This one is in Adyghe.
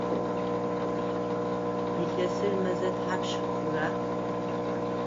Илъэсыр мэзэ тхьапш хъура?